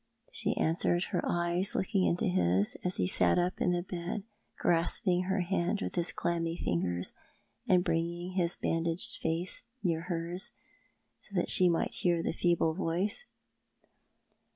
" she answered, her eyes looking into his, as he sat up in the bed, grasping her hand with his clammy fingers, and bringing his bandaged face near hers, so that she might hear the feeble voice.